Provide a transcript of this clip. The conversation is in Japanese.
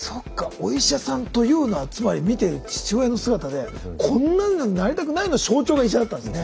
「お医者さん」というのはつまり見ている父親の姿で「こんなんにはなりたくない」の象徴が医者だったんですね。